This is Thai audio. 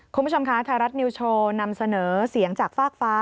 คุณผู้ชมคะไทยรัฐนิวโชว์นำเสนอเสียงจากฟากฟ้า